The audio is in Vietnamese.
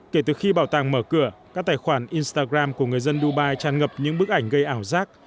kể từ khi bảo tàng mở cửa các tài khoản instagram của người dân dubai tràn ngập những bức ảnh gây ảo giác